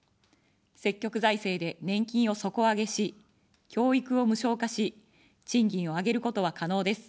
積極財政で年金を底上げし、教育を無償化し、賃金を上げることは可能です。